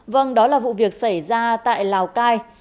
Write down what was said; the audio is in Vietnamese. vâng đó là vụ việc xảy ra tại lào cai